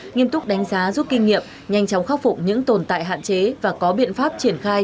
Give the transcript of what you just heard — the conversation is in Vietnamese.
nghiêm túc đánh giá rút kinh nghiệm nhanh chóng khắc phục những tồn tại hạn chế và có biện pháp triển khai